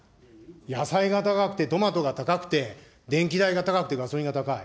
野菜が高くて、トマトが高くて、電気代が高くてガソリンが高い。